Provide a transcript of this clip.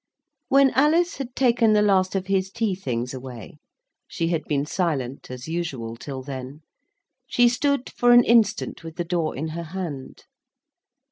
When Alice had taken the last of his tea things away—she had been silent as usual till then—she stood for an instant with the door in her hand.